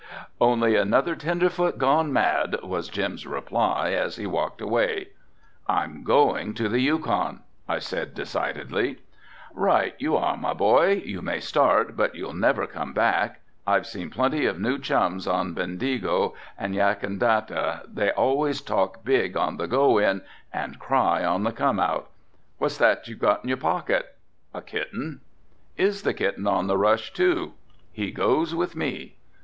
Ha! ha!" "Only another tenderfoot gone mad," was Jim's reply as he walked away. "I'm going to the Yukon," I said decidedly. "Right you are my boy. You may start but you'll never come back. I've seen plenty of new chums on Bendigo and Yackendandah, they always talk big on the go in, and cry on the come out. What's that you've got in your pocket?" "A kitten." "Is the kitten on the rush too?" "He goes with me."